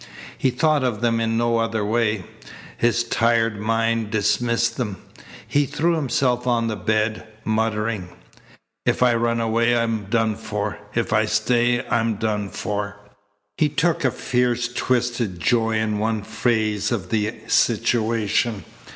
He thought of them in no other way. His tired mind dismissed them. He threw himself on the bed, muttering: "If I run away I'm done for. If I stay I'm done for." He took a fierce twisted joy in one phase of the situation.